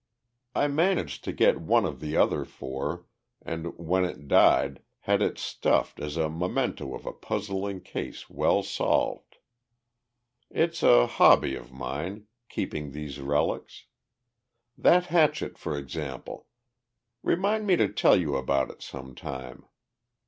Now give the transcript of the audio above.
I managed to get one of the other four, and, when it died, had it stuffed as a memento of a puzzling case well solved. "It's a hobby of mine keeping these relics. That hatchet, for example.... Remind me to tell you about it some time.